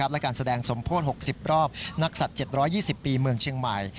และการแสดงสมโพธิ๖๐รอบนักศัตริย์๗๒๐ปีเมืองเชียงใหม่